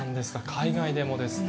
海外でもですか。